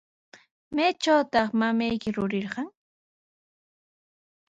¿Maytrawtaq mamayki yurirqan?